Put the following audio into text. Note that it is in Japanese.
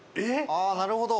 ああなるほど。